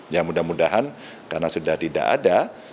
ya mudah mudahan karena sudah tidak ada